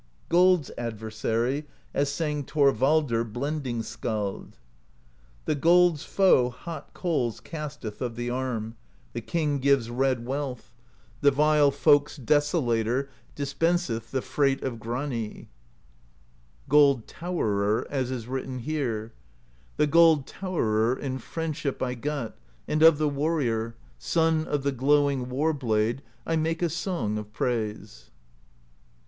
Gold's Adversary, as sang Thorvaldr Blending Skald: The gold's foe Hot Coals casteth Of the Arm; the king gives red wealth; THE POESY OF SKALDS 177 The vile folk's Desolator Dispenseth the Freight of Grani. Gold Towerer, as is written here: The Gold Towerer in friendship I got, and of the Warrior, Son of the glowing War Blade, I make a song of praise.